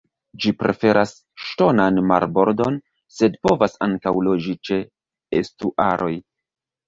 Ĝi preferas ŝtonan marbordon, sed povas ankaŭ loĝi ĉe estuaroj.